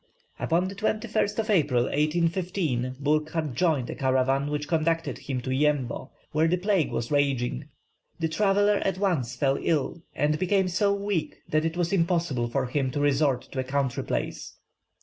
Upon the 21st of April, 1815, Burckhardt joined a caravan which conducted him to Yembo, where the plague was raging. The traveller at once fell ill and became so weak that it was impossible for him to resort to a country place.